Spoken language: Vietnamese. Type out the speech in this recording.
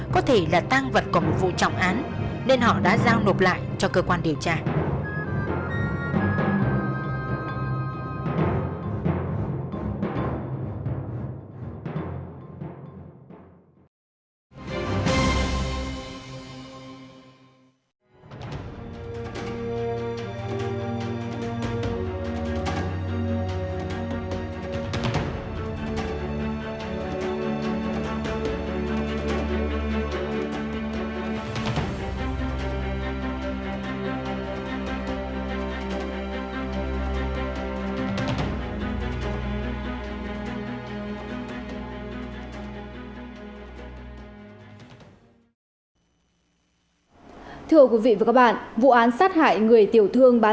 có thể là tăng vật của một vụ trọng án nên họ đã giao nộp lại cho cơ quan điều tra